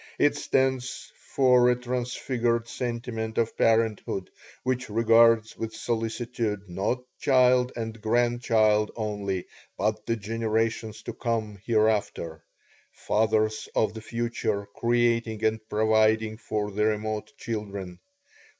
It stands for a transfigured sentiment of parenthood which regards with solicitude not child and grandchild only, but the generations to come hereafter fathers of the future creating and providing for the remote children.